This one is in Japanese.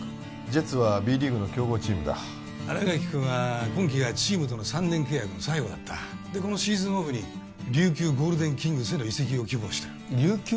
ジェッツはＢリーグの強豪チームだ新垣君は今季がチームとの３年契約の最後だったでこのシーズンオフに琉球ゴールデンキングスへの移籍を希望してる琉球？